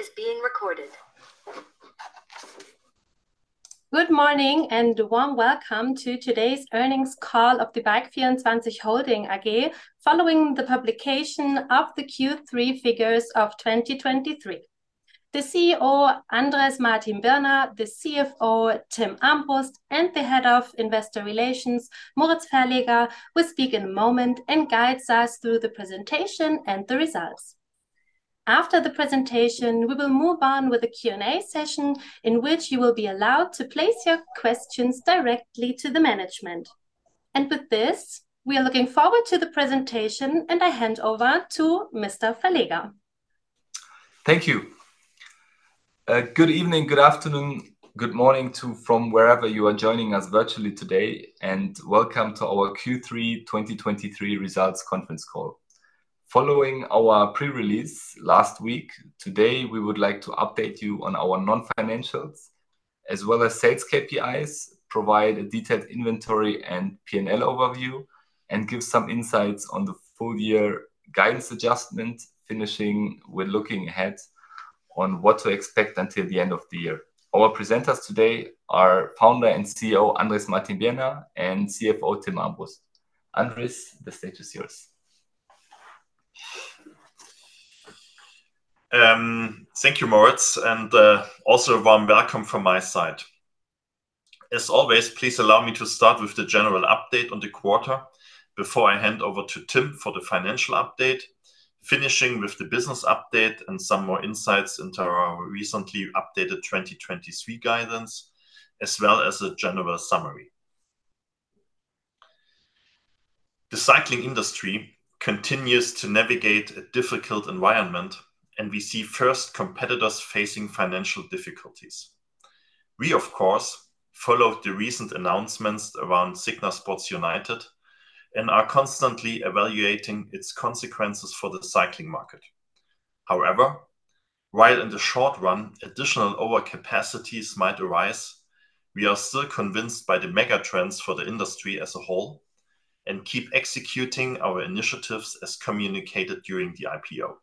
This meeting is being recorded. Good morning, and a warm welcome to today's earnings call of the Bike24 Holding AG, following the publication of the Q3 figures of 2023. The CEO, Andrés Martin-Birner, the CFO, Timm Armbrust, and the Head of Investor Relations, Moritz Verleger, will speak in a moment and guide us through the presentation and the results. After the presentation, we will move on with a Q&A session, in which you will be allowed to place your questions directly to the management. And with this, we are looking forward to the presentation, and I hand over to Mr. Verleger. Thank you. Good evening, good afternoon, good morning, from wherever you are joining us virtually today, and welcome to our Q3 2023 results conference call. Following our pre-release last week, today we would like to update you on our non-financials, as well as sales KPIs, provide a detailed inventory and PNL overview, and give some insights on the full year guidance adjustment, finishing with looking ahead on what to expect until the end of the year. Our presenters today are Founder and CEO Andrés Martin-Birner, and CFO Timm Armbrust. Andrés, the stage is yours. Thank you, Moritz, and also a warm welcome from my side. As always, please allow me to start with the general update on the quarter before I hand over to Tim for the financial update, finishing with the business update and some more insights into our recently updated 2023 guidance, as well as a general summary. The cycling industry continues to navigate a difficult environment, and we see first competitors facing financial difficulties. We, of course, followed the recent announcements around Signa Sports United and are constantly evaluating its consequences for the cycling market. However, while in the short run, additional overcapacities might arise, we are still convinced by the mega trends for the industry as a whole and keep executing our initiatives as communicated during the IPO.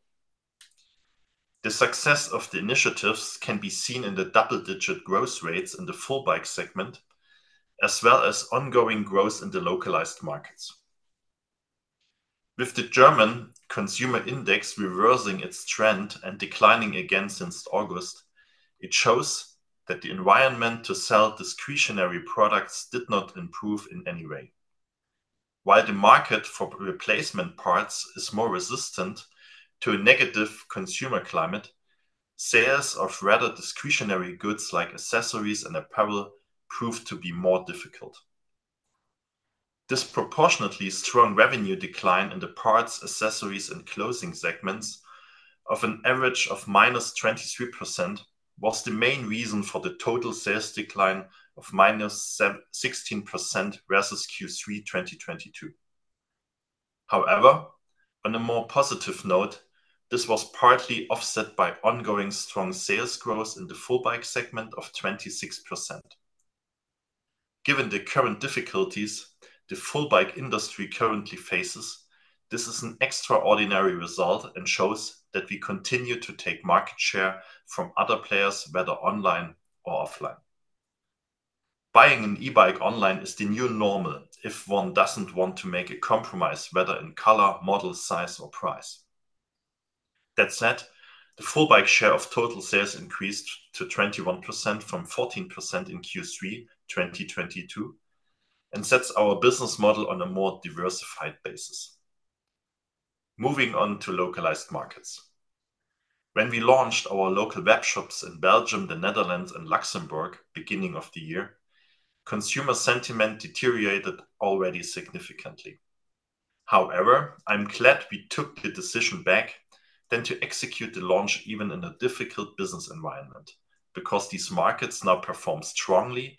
The success of the initiatives can be seen in the double-digit growth rates in the full bike segment, as well as ongoing growth in the localized markets. With the German consumer index reversing its trend and declining again since August, it shows that the environment to sell discretionary products did not improve in any way. While the market for replacement parts is more resistant to a negative consumer climate, sales of rather discretionary goods like accessories and apparel proved to be more difficult. Disproportionately strong revenue decline in the parts, accessories, and clothing segments of an average of -23% was the main reason for the total sales decline of -16% versus Q3 2022. However, on a more positive note, this was partly offset by ongoing strong sales growth in the full bike segment of 26%. Given the current difficulties the full bike industry currently faces, this is an extraordinary result and shows that we continue to take market share from other players, whether online or offline. Buying an e-bike online is the new normal, if one doesn't want to make a compromise, whether in color, model, size or price. That said, the full bike share of total sales increased to 21% from 14% in Q3 2022, and sets our business model on a more diversified basis. Moving on to localized markets. When we launched our local webshops in Belgium, the Netherlands, and Luxembourg, beginning of the year, consumer sentiment deteriorated already significantly. However, I'm glad we took the decision back then to execute the launch even in a difficult business environment, because these markets now perform strongly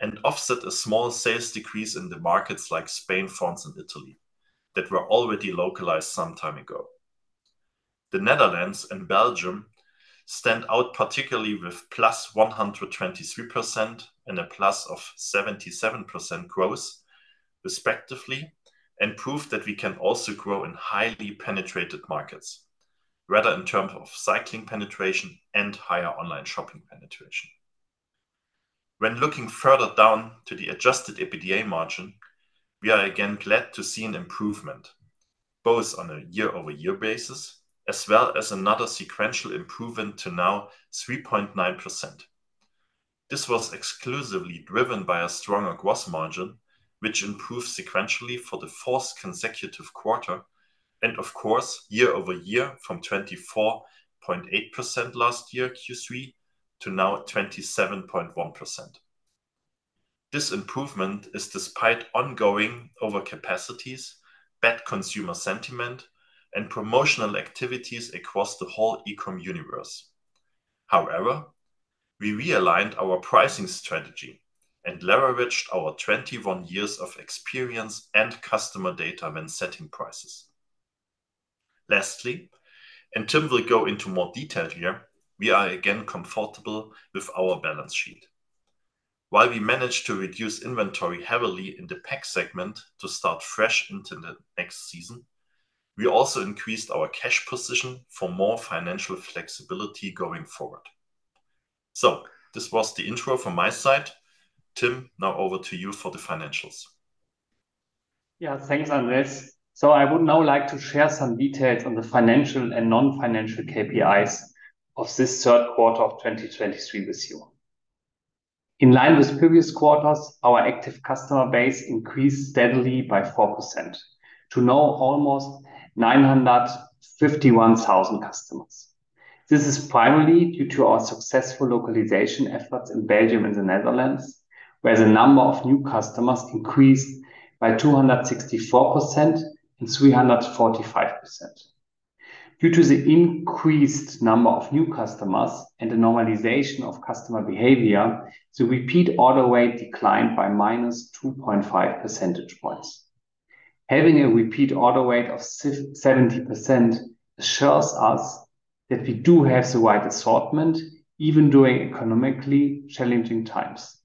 and offset a small sales decrease in the markets like Spain, France, and Italy, that were already localized some time ago. The Netherlands and Belgium stand out, particularly with +123% and a +77% growth, respectively, and prove that we can also grow in highly penetrated markets, rather in terms of cycling penetration and higher online shopping penetration. When looking further down to the adjusted EBITDA margin, we are again glad to see an improvement, both on a year-over-year basis, as well as another sequential improvement to now 3.9%. This was exclusively driven by a stronger gross margin, which improved sequentially for the fourth consecutive quarter, and of course, year-over-year from 24.8% last year, Q3, to now 27.1%. This improvement is despite ongoing overcapacities, bad consumer sentiment, and promotional activities across the whole e-com universe. However, we realigned our pricing strategy and leveraged our 21 years of experience and customer data when setting prices. Lastly, and Tim will go into more detail here, we are again comfortable with our balance sheet.... While we managed to reduce inventory heavily in the PAC segment to start fresh into the next season, we also increased our cash position for more financial flexibility going forward. So this was the intro from my side. Tim, now over to you for the financials. Yeah, thanks, Andrés. So I would now like to share some details on the financial and non-financial KPIs of this third quarter of 2023 with you. In line with previous quarters, our active customer base increased steadily by 4%, to now almost 951,000 customers. This is primarily due to our successful localization efforts in Belgium and the Netherlands, where the number of new customers increased by 264% and 345%. Due to the increased number of new customers and the normalization of customer behavior, the repeat order rate declined by -2.5 percentage points. Having a repeat order rate of 70% assures us that we do have the right assortment, even during economically challenging times.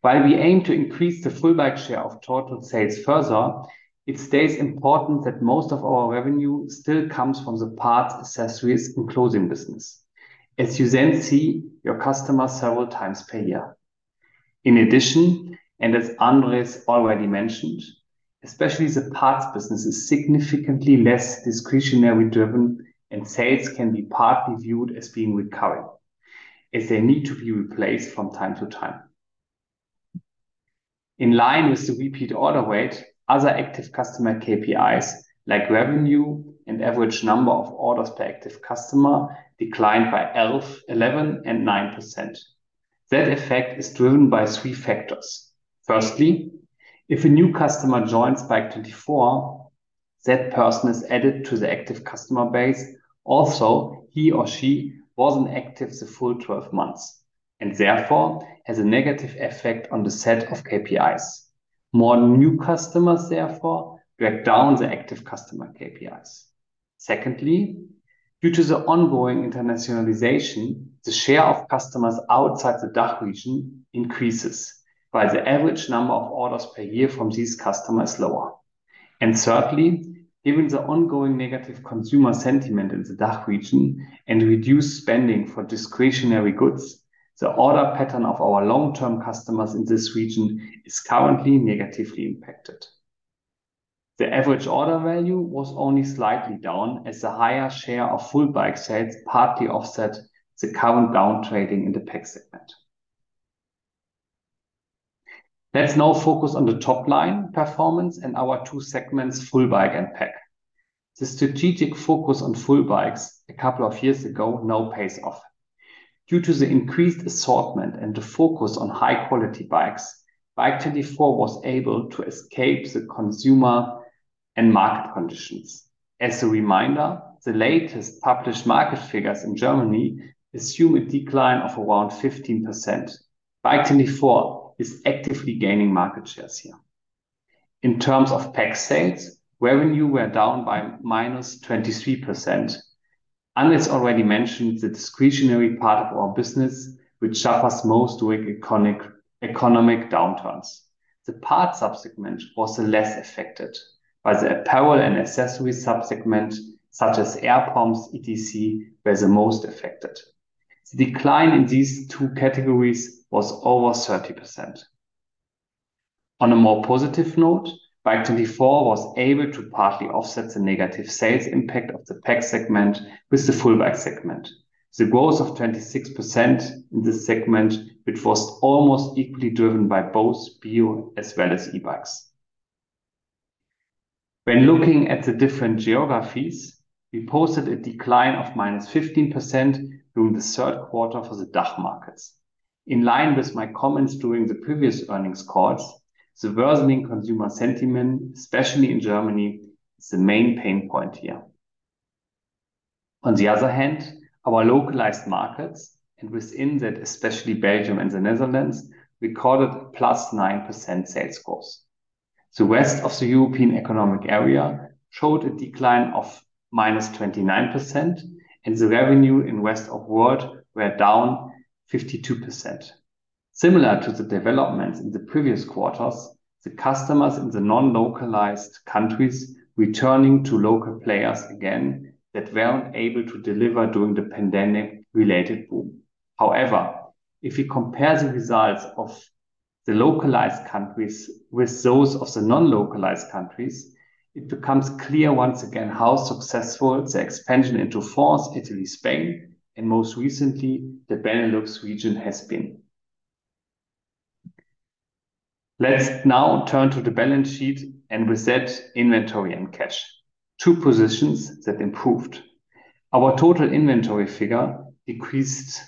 While we aim to increase the full bike share of total sales further, it stays important that most of our revenue still comes from the parts, accessories, and clothing business. As you then see, your customers several times per year. In addition, and as Andrés already mentioned, especially the parts business is significantly less discretionary driven, and sales can be partly viewed as being recurring, as they need to be replaced from time to time. In line with the repeat order rate, other active customer KPIs, like revenue and average number of orders per active customer, declined by 11 and 9%. That effect is driven by three factors. Firstly, if a new customer joins Bike24, that person is added to the active customer base. Also, he or she wasn't active the full 12 months, and therefore has a negative effect on the set of KPIs. More new customers, therefore, break down the active customer KPIs. Secondly, due to the ongoing internationalization, the share of customers outside the DACH region increases, while the average number of orders per year from these customers lower. And thirdly, given the ongoing negative consumer sentiment in the DACH region and reduced spending for discretionary goods, the order pattern of our long-term customers in this region is currently negatively impacted. The average order value was only slightly down, as the higher share of full bike sales partly offset the current down trading in the PAC segment. Let's now focus on the top line performance and our two segments, full bike and PAC. The strategic focus on full bikes a couple of years ago now pays off. Due to the increased assortment and the focus on high-quality bikes, Bike24 was able to escape the consumer and market conditions. As a reminder, the latest published market figures in Germany assume a decline of around 15%. Bike24 is actively gaining market shares here. In terms of PAC sales, revenue were down by -23%. Andrés already mentioned the discretionary part of our business, which suffers most during economic downturns. The parts subsegment was less affected by the apparel and accessories subsegment, such as air pumps, etc., were the most affected. The decline in these two categories was over 30%. On a more positive note, Bike24 was able to partly offset the negative sales impact of the PAC segment with the full bike segment. The growth of 26% in this segment, which was almost equally driven by both bio-bike as well as e-bikes. When looking at the different geographies, we posted a decline of -15% during the third quarter for the DACH markets. In line with my comments during the previous earnings calls, the worsening consumer sentiment, especially in Germany, is the main pain point here. On the other hand, our localized markets, and within that, especially Belgium and the Netherlands, recorded +9% sales growth. The rest of the European economic area showed a decline of -29%, and the revenue in rest of world were down 52%. Similar to the developments in the previous quarters, the customers in the non-localized countries returning to local players again that weren't able to deliver during the pandemic-related boom. However, if you compare the results of the localized countries with those of the non-localized countries, it becomes clear once again how successful the expansion into France, Italy, Spain, and most recently, the Benelux region has been. Let's now turn to the balance sheet and with that, inventory and cash, two positions that improved. Our total inventory figure decreased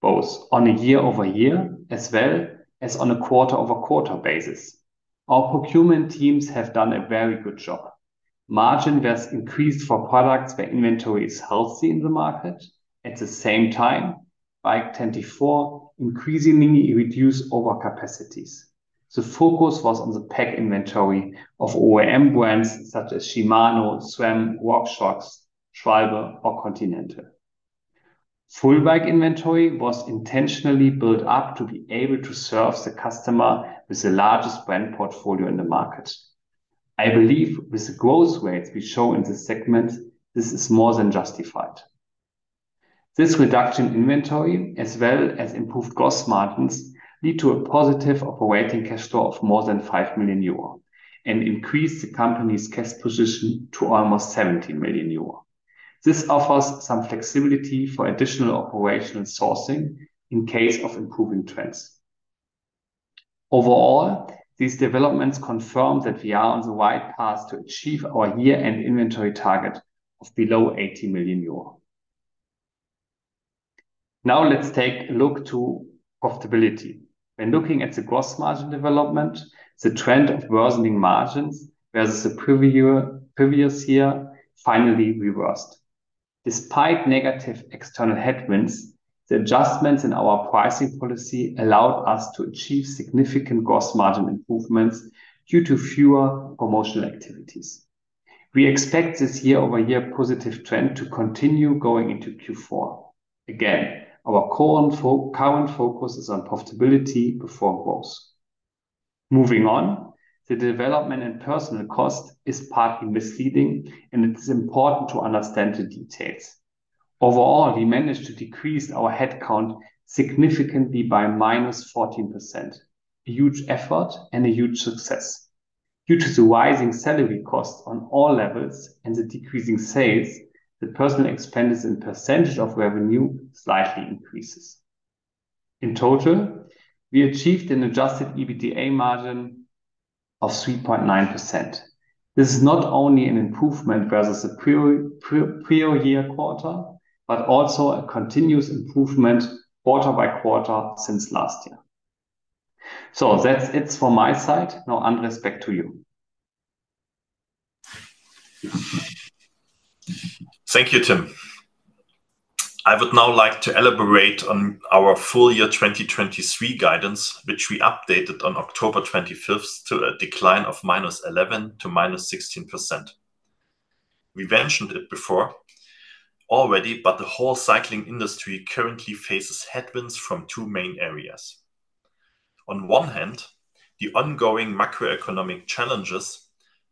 both on a year-over-year as well as on a quarter-over-quarter basis. Our procurement teams have done a very good job. Margin has increased for products where inventory is healthy in the market. At the same time, Bike24 increasingly reduce overcapacities. The focus was on the PAC inventory of OEM brands such as Shimano, SRAM, RockShox, Schwalbe, or Continental. Full bike inventory was intentionally built up to be able to serve the customer with the largest brand portfolio in the market. I believe with the growth rates we show in this segment, this is more than justified. This reduction in inventory, as well as improved gross margins, led to a positive operating cash flow of more than 5 million euro and increased the company's cash position to almost 17 million euro. This offers some flexibility for additional operational sourcing in case of improving trends. Overall, these developments confirm that we are on the right path to achieve our year-end inventory target of below 80 million euro. Now let's take a look at profitability. When looking at the gross margin development, the trend of worsening margins versus the previous year finally reversed. Despite negative external headwinds, the adjustments in our pricing policy allowed us to achieve significant gross margin improvements due to fewer promotional activities. We expect this year-over-year positive trend to continue going into Q4. Again, our current focus is on profitability before growth. Moving on, the development in personnel cost is partly misleading, and it is important to understand the details. Overall, we managed to decrease our headcount significantly by -14%, a huge effort and a huge success. Due to the rising salary costs on all levels and the decreasing sales, the personnel expenditures and percentage of revenue slightly increases. In total, we achieved an Adjusted EBITDA margin of 3.9%. This is not only an improvement versus the pre-pre-prior year quarter, but also a continuous improvement quarter by quarter since last year. So that's it for my side. Now, Andrés, back to you. Thank you, Tim. I would now like to elaborate on our full year 2023 guidance, which we updated on October 25th, to a decline of -11%--16%. We've mentioned it before already, but the whole cycling industry currently faces headwinds from two main areas. On one hand, the ongoing macroeconomic challenges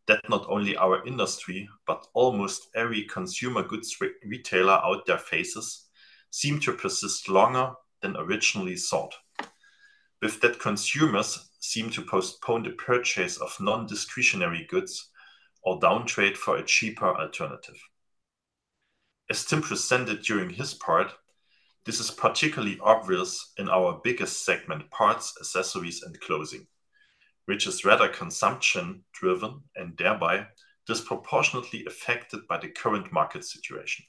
that not only our industry, but almost every consumer goods retailer out there faces, seem to persist longer than originally thought. With that, consumers seem to postpone the purchase of non-discretionary goods or downtrade for a cheaper alternative. As Tim presented during his part, this is particularly obvious in our biggest segment, parts, accessories, and clothing, which is rather consumption-driven and thereby disproportionately affected by the current market situation.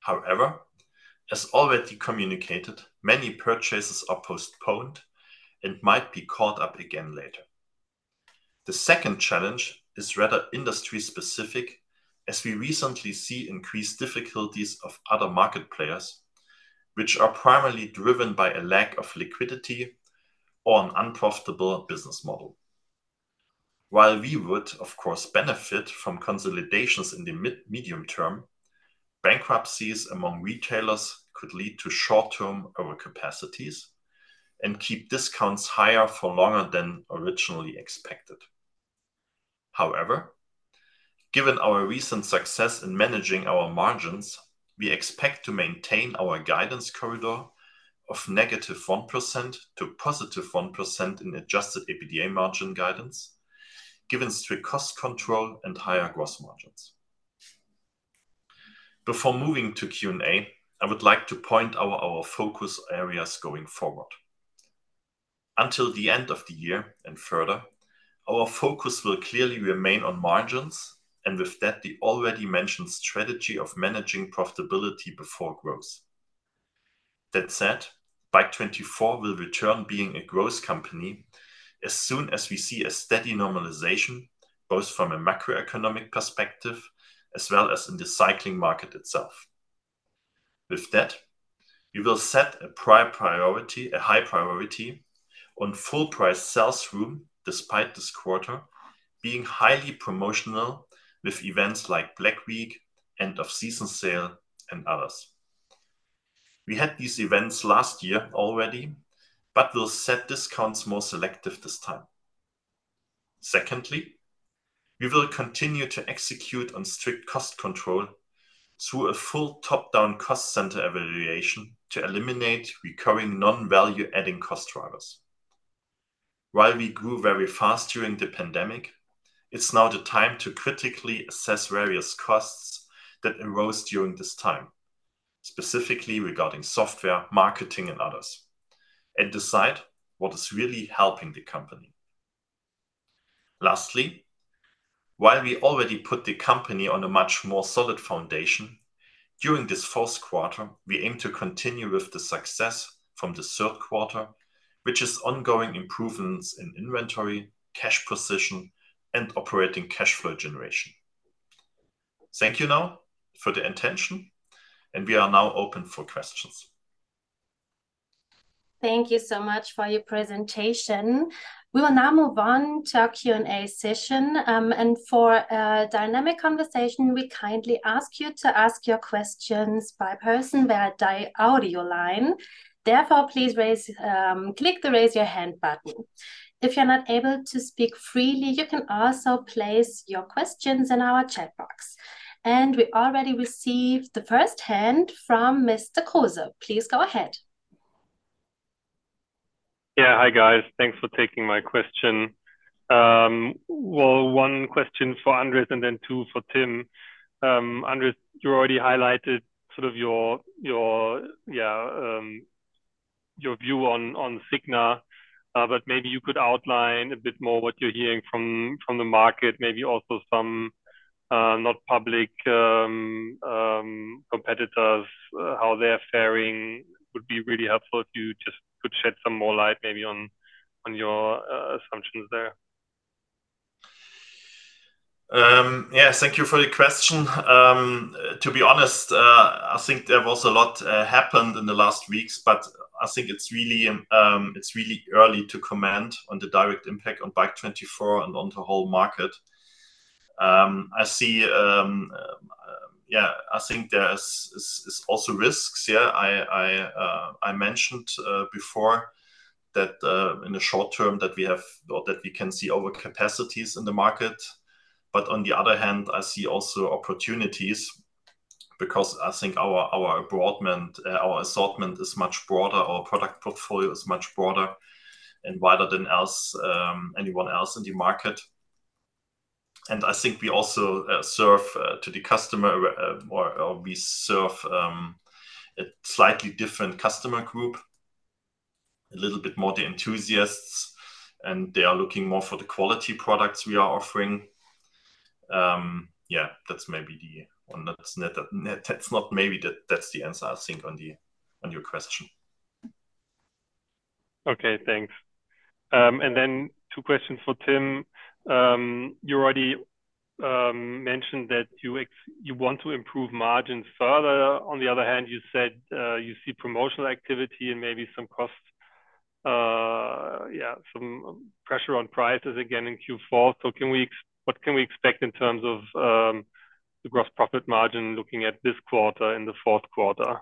However, as already communicated, many purchases are postponed and might be caught up again later. The second challenge is rather industry-specific, as we recently see increased difficulties of other market players, which are primarily driven by a lack of liquidity or an unprofitable business model. While we would, of course, benefit from consolidations in the medium term, bankruptcies among retailers could lead to short-term overcapacities and keep discounts higher for longer than originally expected. However, given our recent success in managing our margins, we expect to maintain our guidance corridor of -1%-+1% in Adjusted EBITDA margin guidance, given strict cost control and higher gross margins. Before moving to Q&A, I would like to point out our focus areas going forward. Until the end of the year and further, our focus will clearly remain on margins, and with that, the already mentioned strategy of managing profitability before growth. That said, Bike24 will return being a growth company as soon as we see a steady normalization, both from a macroeconomic perspective as well as in the cycling market itself. With that, we will set a priority, a high priority on full price sales room, despite this quarter being highly promotional with events like Black Week, end of season sale, and others. We had these events last year already, but we'll set discounts more selective this time. Secondly, we will continue to execute on strict cost control through a full top-down cost center evaluation to eliminate recurring non-value-adding cost drivers. While we grew very fast during the pandemic, it's now the time to critically assess various costs that arose during this time, specifically regarding software, marketing, and others, and decide what is really helping the company. Lastly, while we already put the company on a much more solid foundation, during this first quarter, we aim to continue with the success from the third quarter, which is ongoing improvements in inventory, cash position, and operating cash flow generation. Thank you now for the attention, and we are now open for questions. Thank you so much for your presentation. We will now move on to our Q&A session. And for a dynamic conversation, we kindly ask you to ask your questions by person via the audio line. Therefore, please raise, click the Raise Your Hand button. If you're not able to speak freely, you can also place your questions in our chat box. And we already received the first hand from Mr. Kruse. Please go ahead. Yeah. Hi, guys. Thanks for taking my question. Well, one question for Andrés, and then two for Tim. Andrés, you already highlighted sort of your view on Signa, but maybe you could outline a bit more what you're hearing from the market, maybe also some not public competitors, how they're faring. Would be really helpful if you just could shed some more light maybe on your assumptions there. Yeah, thank you for the question. To be honest, I think there was a lot happened in the last weeks, but I think it's really, it's really early to comment on the direct impact on Bike24 and on the whole market. I see, yeah, I think there is also risks. Yeah, I mentioned before that in the short term, that we have or that we can see over capacities in the market. On the other hand, I see also opportunities because I think our broadment, our assortment is much broader, our product portfolio is much broader and wider than else, anyone else in the market. I think we also serve to the customer, or, or we serve a slightly different customer group, a little bit more the enthusiasts, and they are looking more for the quality products we are offering. Yeah, that's maybe the... Well, that's not, that's not maybe, that's the answer I think on the, on your question. Okay, thanks. And then two questions for Tim. You already mentioned that you want to improve margins further. On the other hand, you said you see promotional activity and maybe some costs, yeah, some pressure on prices again in Q4. What can we expect in terms of the gross profit margin looking at this quarter, in the fourth quarter?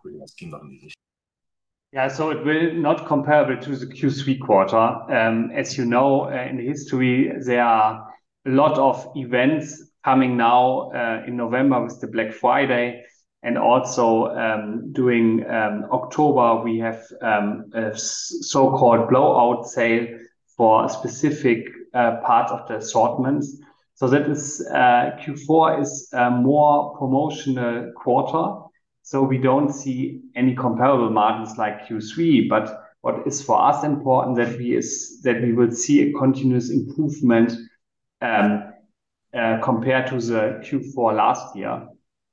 Yeah. So it will not comparable to the Q3 quarter. As you know, in the history, there are a lot of events coming now, in November with the Black Friday, and also, during October, we have a so-called blowout sale for a specific part of the assortments. So that is, Q4 is a more promotional quarter, so we don't see any comparable margins like Q3. But what is for us important that we is, that we will see a continuous improvement, compared to the Q4 last year,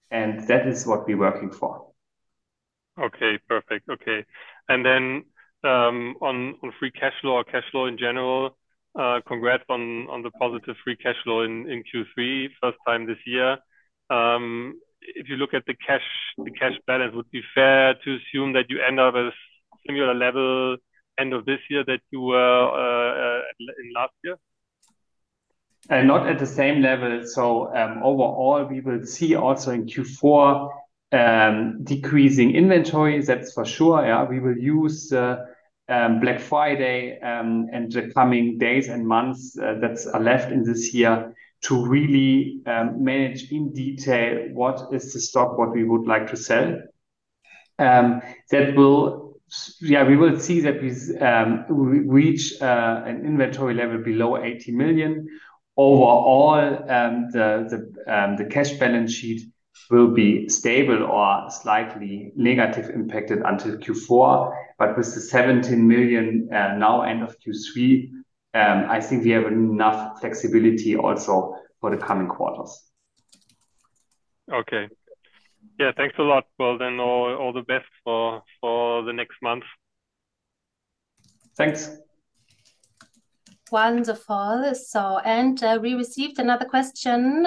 and that is what we're working for. Okay, perfect. Okay. And then, on free cash flow or cash flow in general, congrats on the positive free cash flow in Q3, first time this year. If you look at the cash balance, would be fair to assume that you end up with a similar level end of this year that you were in last year? Not at the same level. So, overall, we will see also in Q4, decreasing inventory, that's for sure. Yeah, we will use Black Friday, and the coming days and months that are left in this year to really manage in detail what is the stock, what we would like to sell. That will... Yeah, we will see that we reach an inventory level below 80 million. Overall, the cash balance sheet will be stable or slightly negative impacted until Q4, but with the 17 million now end of Q3, I think we have enough flexibility also for the coming quarters. Okay. Yeah, thanks a lot. Well, then all the best for the next month. Thanks. Wonderful. So, we received another question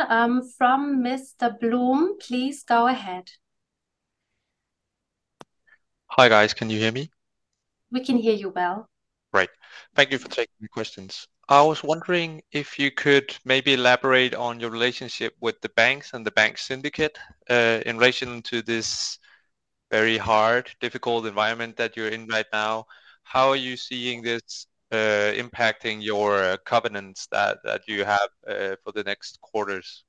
from Mr. Bloom. Please go ahead. Hi, guys. Can you hear me? We can hear you well. Great. Thank you for taking the questions. I was wondering if you could maybe elaborate on your relationship with the banks and the bank syndicate, in relation to this very hard, difficult environment that you're in right now. How are you seeing this impacting your covenants that you have for the next quarters?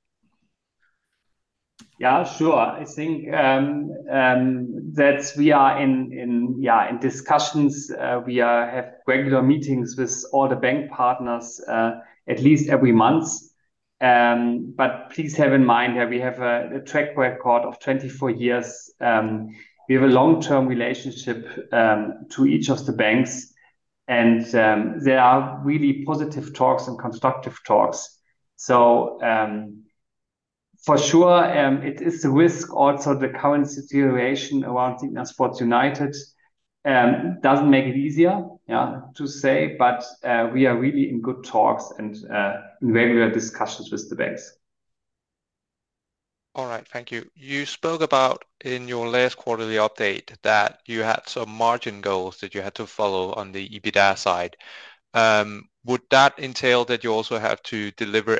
Yeah, sure. I think that we are in, yeah, in discussions. We have regular meetings with all the bank partners at least every month. But please have in mind that we have a track record of 24 years. We have a long-term relationship to each of the banks, and there are really positive talks and constructive talks. So, for sure, it is a risk also the current situation around Signa Sports United. Doesn't make it easier, yeah, to say, but we are really in good talks and in very real discussions with the banks. All right, thank you. You spoke about in your last quarterly update that you had some margin goals that you had to follow on the EBITDA side. Would that entail that you also have to deliver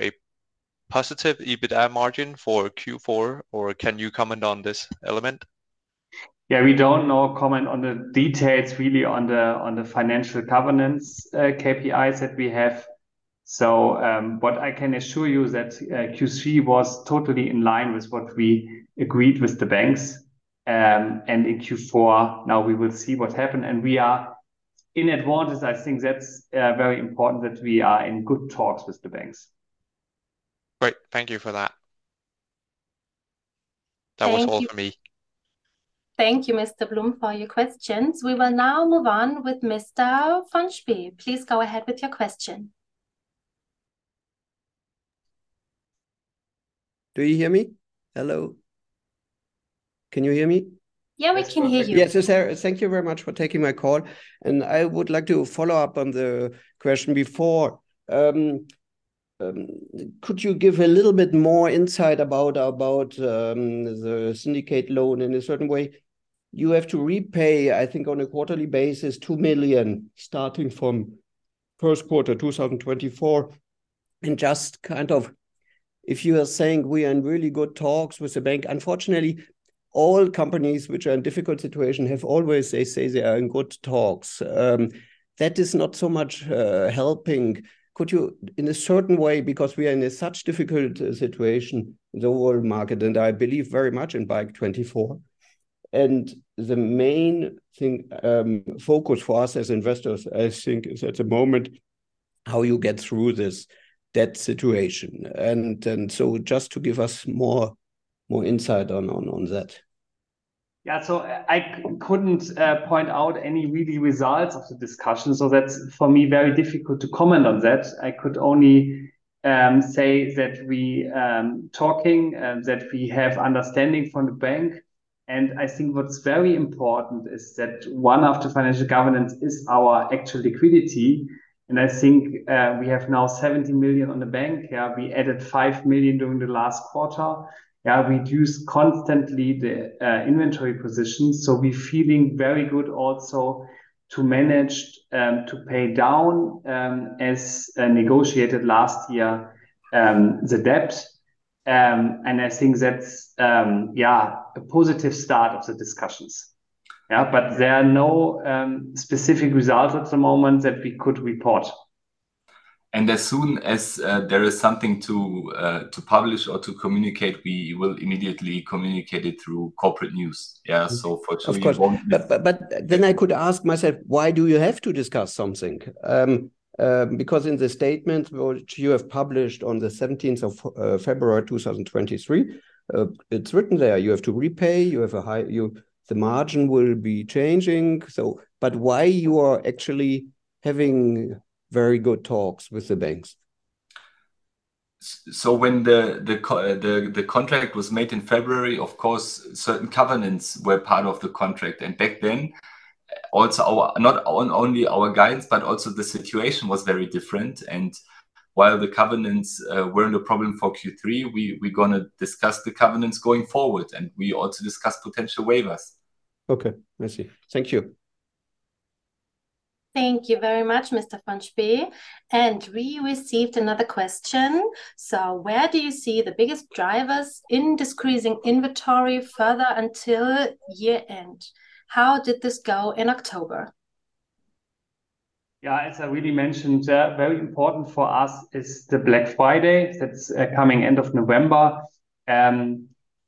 a positive EBITDA margin for Q4, or can you comment on this element? Yeah, we don't know, comment on the details really on the, on the financial governance, KPIs that we have. So, but I can assure you that Q3 was totally in line with what we agreed with the banks. And in Q4, now we will see what happened, and we are in advantage. I think that's very important that we are in good talks with the banks. Great. Thank you for that. Thank you. That was all for me. Thank you, Mr. Bloom, for your questions. We will now move on with Mr. Funke. Please go ahead with your question. Do you hear me? Hello? Can you hear me? Yeah, we can hear you. Yes, sir. Thank you very much for taking my call, and I would like to follow up on the question before. Could you give a little bit more insight about the syndicate loan in a certain way? You have to repay, I think, on a quarterly basis, 2 million, starting from first quarter 2024. If you are saying we are in really good talks with the bank, unfortunately, all companies which are in difficult situation have always, they say they are in good talks. That is not so much helping. Could you, in a certain way, because we are in such a difficult situation in the world market, and I believe very much in Bike24, and the main thing focus for us as investors, I think is at the moment, how you get through this debt situation. So just to give us more insight on that. Yeah, so I couldn't point out any really results of the discussion, so that's for me very difficult to comment on that. I could only say that we talking, and that we have understanding from the bank. And I think what's very important is that one of the financial covenants is our actual liquidity, and I think we have now 70 million on the bank. Yeah, we added 5 million during the last quarter. Yeah, reduced constantly the inventory position, so we're feeling very good also to manage to pay down as negotiated last year the debt. And I think that's yeah a positive start of the discussions. Yeah, but there are no specific results at the moment that we could report. As soon as there is something to publish or to communicate, we will immediately communicate it through corporate news. Yeah, so fortunately- Of course. But, but, but then I could ask myself, why do you have to discuss something? Because in the statement which you have published on the 17th of February, 2023, it's written there, you have to repay, you have a high—The margin will be changing, so, but why you are actually having very good talks with the banks? So when the contract was made in February, of course, certain covenants were part of the contract, and back then, also not only our guidance, but also the situation was very different. And while the covenants weren't a problem for Q3, we're gonna discuss the covenants going forward, and we also discuss potential waivers. Okay, I see. Thank you. Thank you very much, Mr. Kruse. We received another question. Where do you see the biggest drivers in decreasing inventory further until year end? How did this go in October? Yeah, as I really mentioned, very important for us is the Black Friday. That's coming end of November.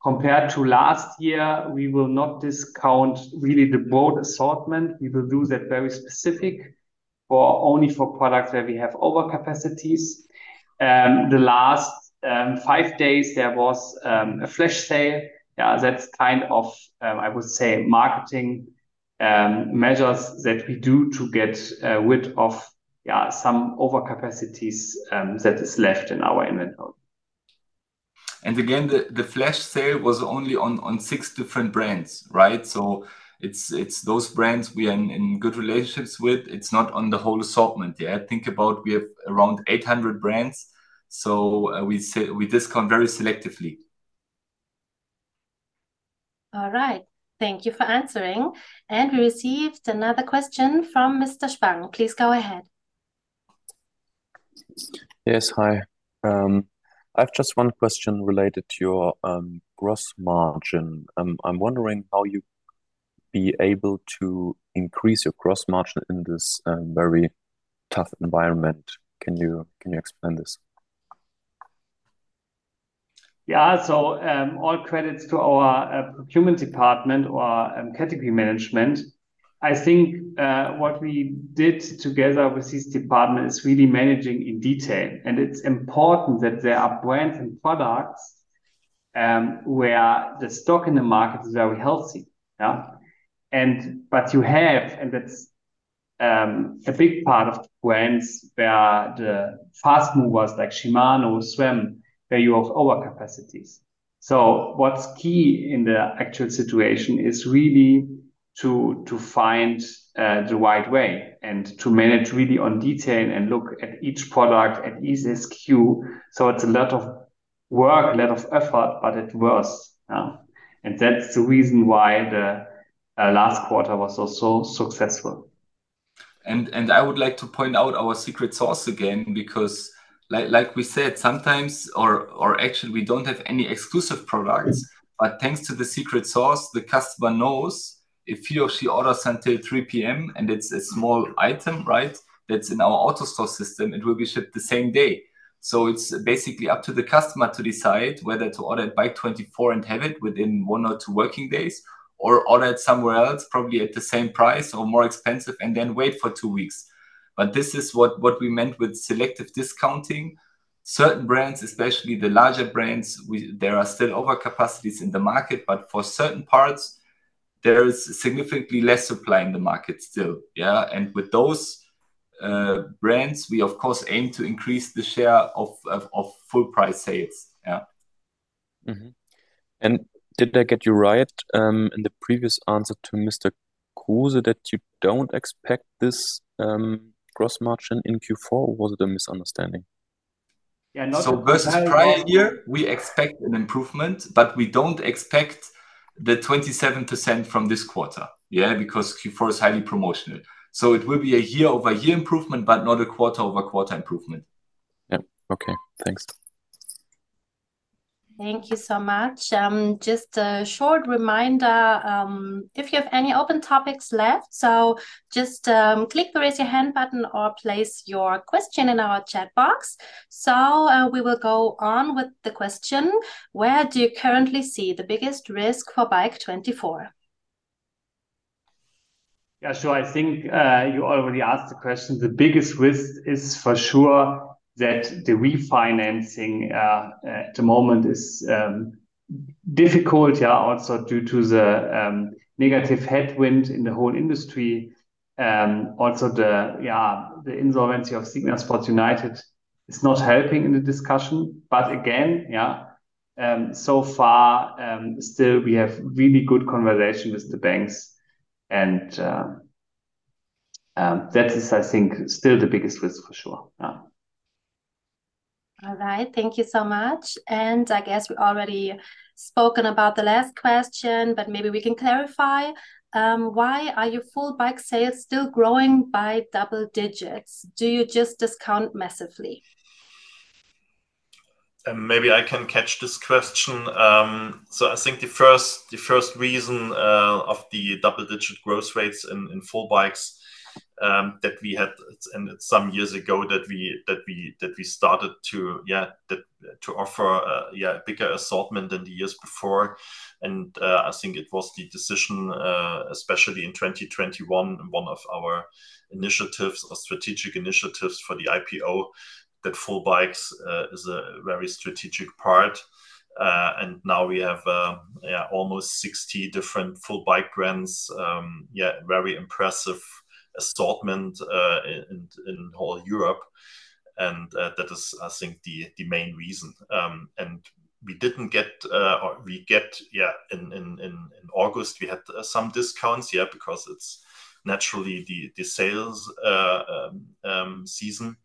Compared to last year, we will not discount really the broad assortment. We will do that very specific for only for products where we have over capacities. The last five days, there was a flash sale. Yeah, that's kind of, I would say, marketing measures that we do to get rid of, yeah, some over capacities that is left in our inventory. And again, the flash sale was only on six different brands, right? So it's those brands we are in good relationships with. It's not on the whole assortment. Yeah, think about we have around 800 brands, so we discount very selectively. All right. Thank you for answering, and we received another question from Mr. Spang. Please go ahead. Yes, hi. I've just one question related to your gross margin. I'm wondering how you be able to increase your gross margin in this very tough environment. Can you, can you explain this? Yeah, so, all credits to our, procurement department or, category management. I think, what we did together with this department is really managing in detail, and it's important that there are brands and products, where the stock in the market is very healthy. Yeah? And but you have, and that's a big part of brands where the fast movers, like Shimano, SRAM, where you have over capacities. So what's key in the actual situation is really to find, the right way and to manage really on detail and look at each product, at each SKU. So it's a lot of work, a lot of effort, but it works. Yeah. And that's the reason why the, last quarter was also successful. I would like to point out our secret sauce again, because, like we said, sometimes or actually, we don't have any exclusive products- Yes. But thanks to the secret sauce, the customer knows if he or she orders until 3:00 P.M., and it's a small item, right? That's in our AutoStore system, it will be shipped the same day. So it's basically up to the customer to decide whether to order at Bike24 and have it within one or two working days, or order it somewhere else, probably at the same price or more expensive, and then wait for two weeks. But this is what we meant with selective discounting. Certain brands, especially the larger brands, there are still over capacities in the market, but for certain parts, there is significantly less supply in the market still. Yeah. And with those brands, we of course aim to increase the share of full price sales. Yeah. Mm-hmm. And did I get you right, in the previous answer to Mr. Kruse, that you don't expect this, Gross Margin in Q4, or was it a misunderstanding? Yeah, not- So versus prior year, we expect an improvement, but we don't expect the 27% from this quarter, yeah? Because Q4 is highly promotional. So it will be a year-over-year improvement, but not a quarter-over-quarter improvement. Yeah. Okay, thanks. Thank you so much. Just a short reminder, if you have any open topics left, click the Raise Your Hand button or place your question in our chat box. We will go on with the question: Where do you currently see the biggest risk for Bike24? Yeah, sure. I think, you already asked the question. The biggest risk is for sure that the refinancing, at the moment is, difficult, yeah, also due to the, negative headwind in the whole industry. Also the, yeah, the insolvency of Signa Sports United is not helping in the discussion. But again, yeah, so far, still we have really good conversation with the banks, and, that is, I think, still the biggest risk, for sure. Yeah. All right. Thank you so much, and I guess we already spoken about the last question, but maybe we can clarify. Why are your full bike sales still growing by double digits? Do you just discount massively? Maybe I can catch this question. So I think the first, the first reason of the double-digit growth rates in full bikes that we had. And some years ago that we started to, yeah, to offer, yeah, a bigger assortment than the years before. And I think it was the decision, especially in 2021, one of our initiatives or strategic initiatives for the IPO, that full bikes is a very strategic part. And now we have, yeah, almost 60 different full bike brands. Yeah, very impressive assortment in whole Europe. And that is, I think, the main reason. And we didn't get. We get, yeah, in August, we had some discounts, yeah, because it's naturally the sales season.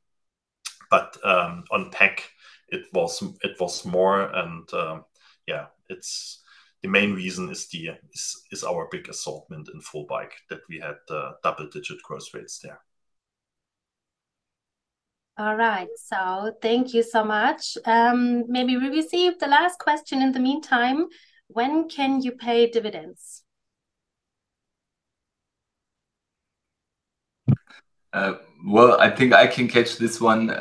But on PAC it was more, and yeah, it's the main reason is our big assortment in full bikes that we had the double-digit growth rates there. All right. Thank you so much. Maybe we received the last question in the meantime. When can you pay dividends? Well, I think I can catch this one.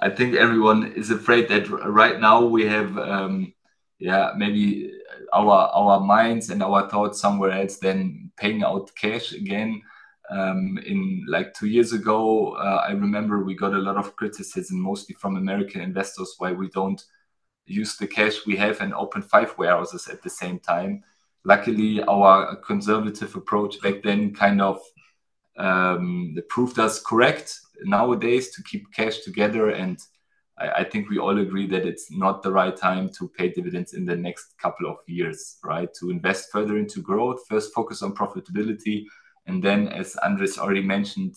I think everyone is afraid that right now we have, yeah, maybe our, our minds and our thoughts somewhere else than paying out cash again. In like two years ago, I remember we got a lot of criticism, mostly from American investors, why we don't use the cash we have and open five warehouses at the same time. Luckily, our conservative approach back then kind of proved us correct nowadays to keep cash together, and I, I think we all agree that it's not the right time to pay dividends in the next couple of years, right? To invest further into growth, first focus on profitability, and then, as Andrés already mentioned,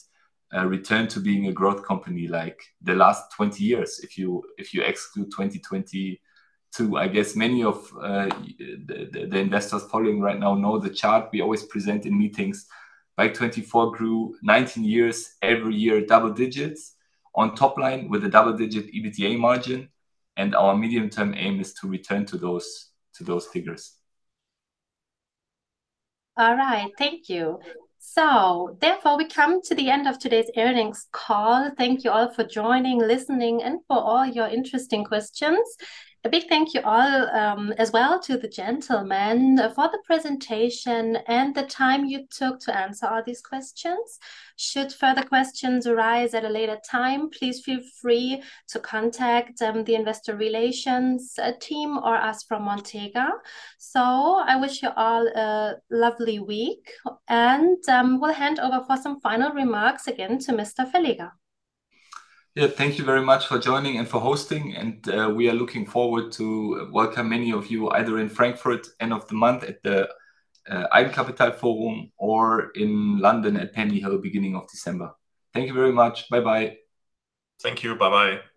return to being a growth company like the last 20 years. If you exclude 2022, I guess many of the investors following right now know the chart we always present in meetings. Bike24 grew 19 years, every year, double digits on top line, with a double-digit EBITDA margin, and our medium-term aim is to return to those figures. All right. Thank you. So therefore, we come to the end of today's earnings call. Thank you all for joining, listening, and for all your interesting questions. A big thank you all, as well to the gentlemen for the presentation and the time you took to answer all these questions. Should further questions arise at a later time, please feel free to contact the investor relations team or ask from Montega. So I wish you all a lovely week, and we'll hand over for some final remarks again to Mr. Verleger. Yeah, thank you very much for joining and for hosting, and we are looking forward to welcome many of you, either in Frankfurt, end of the month at the Deutsches Eigenkapitalforum, or in London at Pennyhill Park, beginning of December. Thank you very much. Bye-bye. Thank you. Bye-bye.